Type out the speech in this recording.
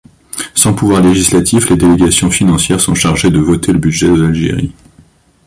Sans pouvoir législatif, les délégations financières sont chargées de voter le budget de l'Algérie.